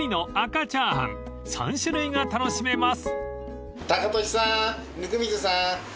［３種類が楽しめます］